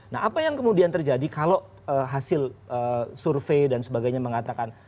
nah apa yang kemudian terjadi kalau hasil survei dan sebagainya mengatakan